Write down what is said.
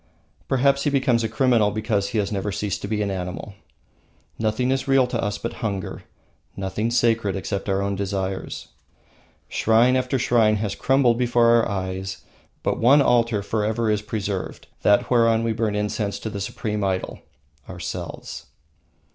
Perhaps he becomes a criminal because he has never ceased to be an animal. Nothing is real to us but hunger, nothing sacred except our own desires. Shrine after shrine has crumbled before our eyes; but one altar is forever preserved, that whereon we burn incense to the supreme idol, ourselves.